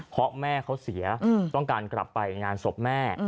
เพราะแม่เขาเสียต้องการกลับไปงานศพแม่